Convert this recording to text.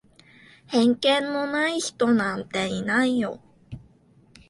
偏見のない人なんていないよ。